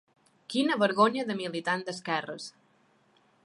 Quina vergonya de militant d’esquerres.